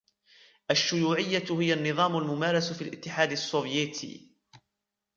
الشيوعية هي النظام المُمارس في الإتحاد السوفيتي.